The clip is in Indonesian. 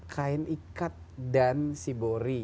kain ikat dan sibori